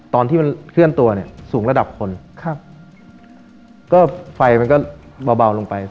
ตอนที่มันเคลื่อนตัวเนี่ยสูงระดับคนครับก็ไฟมันก็เบาลงไป